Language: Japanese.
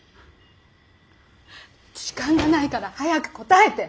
時間がないから早く答えて。